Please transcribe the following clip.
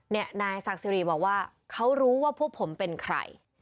นายศักดิ์สิริบอกว่าเขารู้ว่าพวกผมเป็นใคร